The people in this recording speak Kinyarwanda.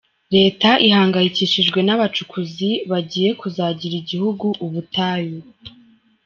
Leta ihangayikishijwe n’abacukuzi bagiye kuzagira igihugu ubutayu.